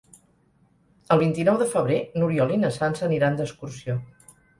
El vint-i-nou de febrer n'Oriol i na Sança aniran d'excursió.